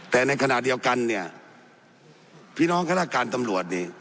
แต่ในขณะเดียวกันเนี่ยพี่น้องฆาตการตำรวจนี่